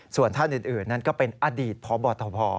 ส่วนท่านอื่นนั้นก็เป็นอดีตพบทบ